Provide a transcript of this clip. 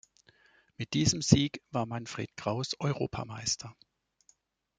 Mit diesem Sieg war Manfred Graus Europameister.